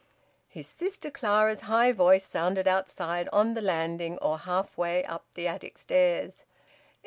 His sister Clara's high voice sounded outside, on the landing, or half way up the attic stairs.